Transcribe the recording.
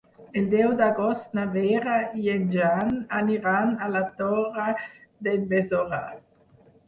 El deu d'agost na Vera i en Jan aniran a la Torre d'en Besora.